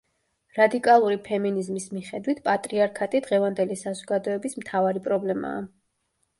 რადიკალური ფემინიზმის მიხედვით, პატრიარქატი დღევანდელი საზოგადოების მთავარი პრობლემაა.